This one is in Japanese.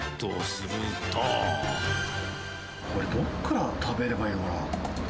これ、どこから食べればいいのかな。